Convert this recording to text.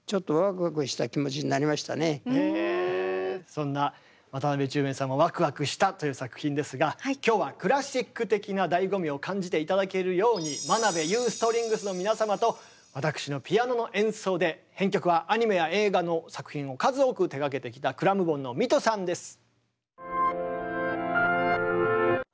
そんな渡辺宙明さんもわくわくしたという作品ですが今日はクラシック的な醍醐味を感じて頂けるように真部裕ストリングスの皆様と私のピアノの演奏で編曲はアニメや映画の作品を数多く手がけてきたｃｌａｍｍｂｏｎのミトさんです。